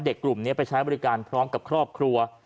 กลุ่มนี้ไปใช้บริการพร้อมกับครอบครัว